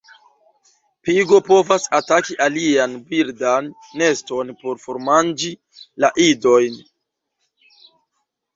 Pigo povas ataki alian birdan neston por formanĝi la idojn.